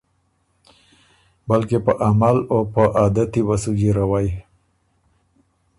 بلکې په عمل او په عادتی وه سُو جیروئ۔